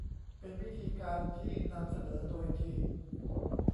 เป็นวิธีการที่นำเสนอโดยทีม